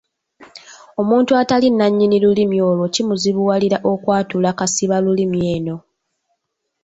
Omuntu atali nnannyini lulimi olwo kimuzibuwalira okwatula kasibalulimi eno.